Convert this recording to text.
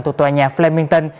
từ tòa nhà flemington